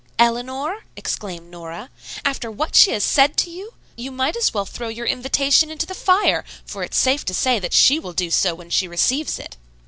"Eleanor?" exclaimed Nora. "After what she has said to you! You might as well throw your invitation into the fire, for it's safe to say that she will do so when she receives it."